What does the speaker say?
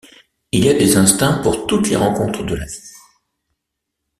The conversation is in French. Il y a des instincts pour toutes les rencontres de la vie.